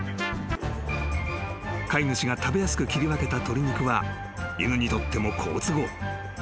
［飼い主が食べやすく切り分けた鶏肉は犬にとっても好都合。